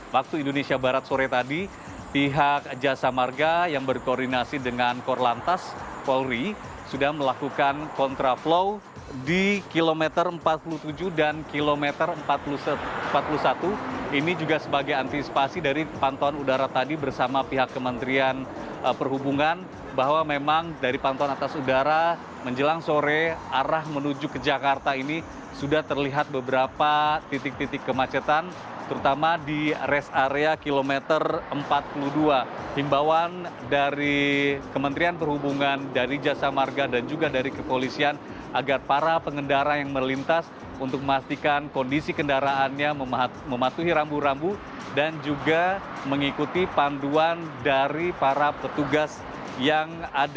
waktu indonesia barat sore tadi pihak jasa marga yang berkoordinasi dengan korlantas polri sudah melakukan kontra flow di kilometer empat puluh tujuh dan kilometer empat puluh satu ini juga sebagai antisipasi dari pantauan udara tadi bersama pihak kementerian perhubungan bahwa memang dari pantauan atas udara menjelang sore arah menuju ke jakarta ini sudah terlihat beberapa titik titik kemacetan